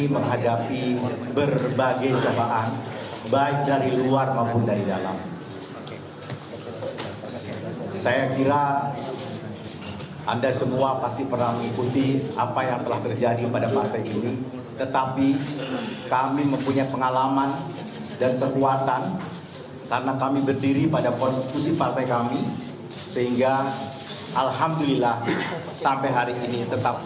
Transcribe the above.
kepada pemerintah saya ingin mengucapkan terima kasih kepada pemerintah pemerintah yang telah menonton